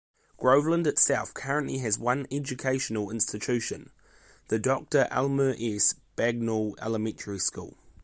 Groveland itself currently has one educational institution, the Doctor Elmer S. Bagnall Elementary School.